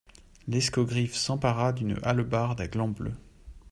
L'escogriffe s'empara d'une hallebarde à gland bleu.